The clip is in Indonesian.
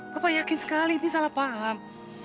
bapak yakin sekali ini salah paham